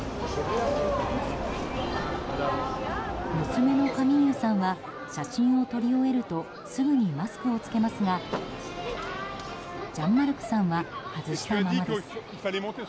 娘のカミーユさんは写真を撮り終えるとすぐにマスクを着けますがジャンマルクさんは外したままです。